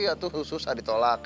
itu susah ditolak